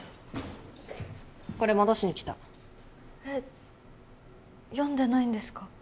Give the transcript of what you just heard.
これ戻しに来たえっ読んでないんですか？